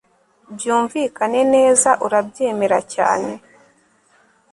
Byumvikane neza urabyemera cyane